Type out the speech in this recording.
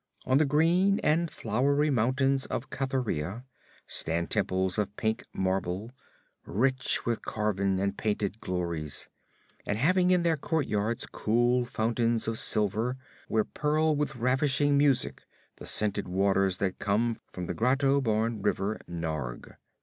On the green and flowery mountains of Cathuria stand temples of pink marble, rich with carven and painted glories, and having in their courtyards cool fountains of silver, where purl with ravishing music the scented waters that come from the grotto born river Narg.